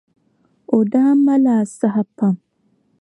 O daa mali asahi pam.